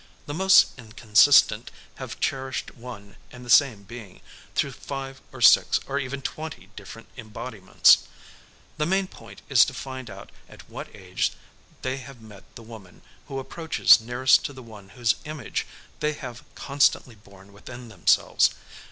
The most inconsistent have cherished one and the same being through five or six or even twenty different embodiments. The main point is to find out at what age they have met the woman who approaches nearest to the one whose image they have constantly borne within themselves.